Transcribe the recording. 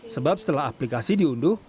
sebab setelah aplikasi diunduh